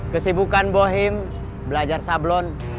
kesibukan bohim belajar sablon